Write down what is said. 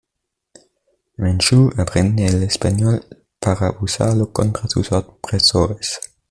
Menchú aprende el español para usarlo contra sus opresores.